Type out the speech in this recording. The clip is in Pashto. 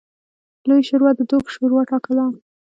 لویې شورا د دوک شورا ټاکله.